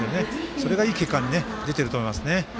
それがいい結果として出てると思いますね。